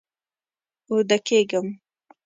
اوده کیږم